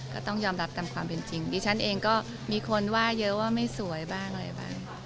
ก็ต้องยอมรับตามความเป็นจริงดิฉันเองก็มีคนว่าเยอะว่าไม่สวยบ้างอะไรบ้าง